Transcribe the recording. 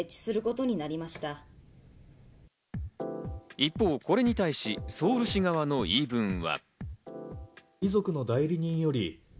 一方、これに対し、ソウル市側の言い分は。